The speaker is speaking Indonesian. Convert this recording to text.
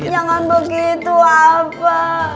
jangan begitu apa